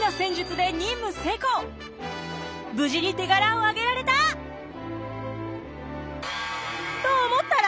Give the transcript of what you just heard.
無事に手柄を挙げられた！と思ったら！